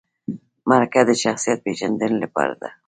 مرکه د شخصیت پیژندنې لپاره ده